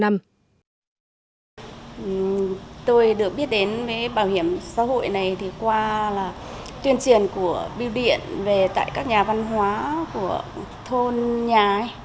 tôi được biết đến với bảo hiểm xã hội này qua tuyên truyền của bưu điện về các nhà văn hóa của thôn nhà